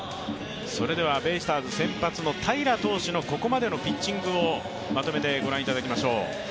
それではベイスターズ先発の平良投手のここまでのピッチングをまとめてご覧いただきましょう。